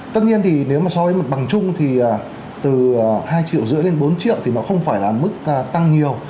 tất nhiên thì nếu mà so với mặt bằng chung thì từ hai triệu rưỡi đến bốn triệu thì nó không phải là mức tăng nhiều